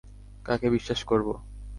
কাকে বিশ্বাস করব?